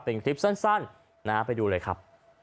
เป็นคลิปสั้นนะฮะไปดูเลยครับ